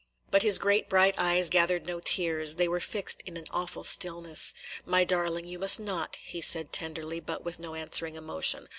But his great, bright eyes gathered no tears; they were fixed in an awful stillness. "My darling, you must not," he said tenderly, but with no answering emotion.